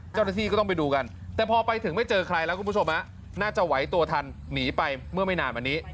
เจ้าหน้าที่ก็ต้องไปดูกันแต่พอไปถึงไม่เจอใครแล้วคุณผู้ชมน่าจะไหวตัวทันหนีไปเมื่อไม่นานมานี้